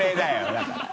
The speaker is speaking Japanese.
だから。